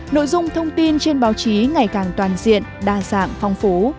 nội dung thông tin trên báo chí ngày càng toàn diện đa dạng phong phú